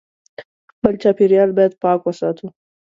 خپل چاپېریال باید پاک وساتو